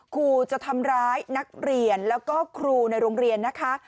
ครูจะทำร้ายนักเรียนแล้วก็ครูในโรงเรียนนะคะ